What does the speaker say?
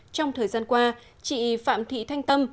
trong thời gian qua chị phạm thị thanh tâm